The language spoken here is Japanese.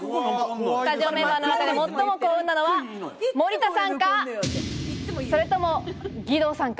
スタジオメンバーの中で最も幸運なのは森田さんか、それとも義堂さんか？